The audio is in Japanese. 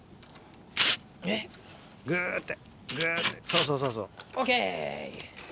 そうそうそうそう。